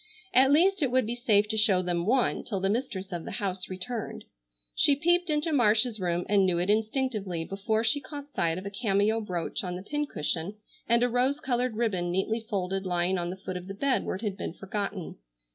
At least it would be safe to show them one till the mistress of the house returned. She peeped into Marcia's room, and knew it instinctively before she caught sight of a cameo brooch on the pin cushion, and a rose colored ribbon neatly folded lying on the foot of the bed where it had been forgotten.